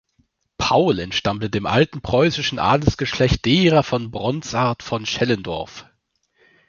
Paul entstammte dem alten preußischen Adelsgeschlecht derer von Bronsart von Schellendorff.